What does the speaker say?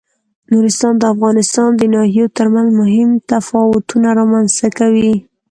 نورستان د افغانستان د ناحیو ترمنځ مهم تفاوتونه رامنځ ته کوي.